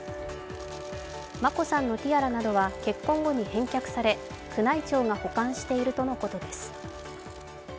眞子さんのティアラなどは結婚後に返却され宮内庁が保管しているとのことです。